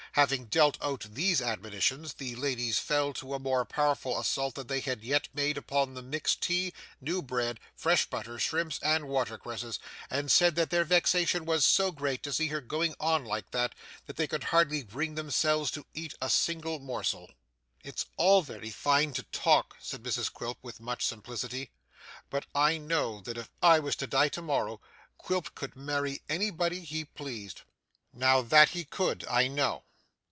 Having dealt out these admonitions, the ladies fell to a more powerful assault than they had yet made upon the mixed tea, new bread, fresh butter, shrimps, and watercresses, and said that their vexation was so great to see her going on like that, that they could hardly bring themselves to eat a single morsel. It's all very fine to talk,' said Mrs Quilp with much simplicity, 'but I know that if I was to die to morrow, Quilp could marry anybody he pleased now that he could, I know!